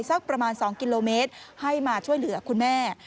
สักประมาณ๒กิโลเมตรให้มาช่วยเหลือคุณแม่